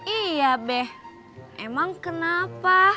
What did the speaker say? iya beh emang kenapa